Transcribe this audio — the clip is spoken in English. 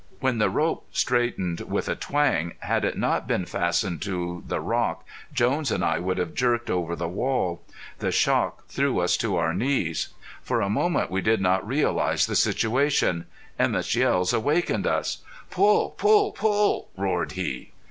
When the rope straightened with a twang, had it not been fastened to the rock, Jones and I would have jerked over the wall. The shock threw us to our knees. For a moment we did not realize the situation. Emett's yells awakened us. "Pull! Pull! Pull!" roared he.